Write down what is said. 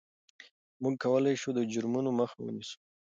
موږ کولای شو د جرمونو مخه ونیسو.